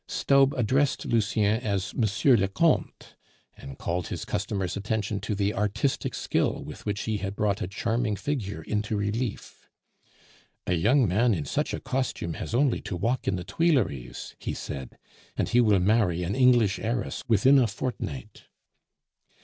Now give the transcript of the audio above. Staub addressed Lucien as "Monsieur le Comte," and called his customer's attention to the artistic skill with which he had brought a charming figure into relief. "A young man in such a costume has only to walk in the Tuileries," he said, "and he will marry an English heiress within a fortnight."